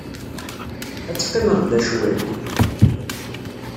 Ad teqqimeḍ da cwit?